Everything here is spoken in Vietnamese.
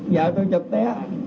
vợ tôi chụp té